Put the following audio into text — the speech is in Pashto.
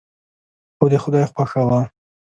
خو د خدای خوښه وه.